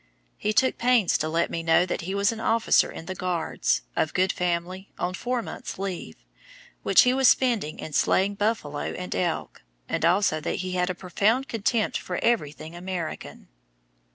He took pains to let me know that he was an officer in the Guards, of good family, on four months' leave, which he was spending in slaying buffalo and elk, and also that he had a profound contempt for everything American.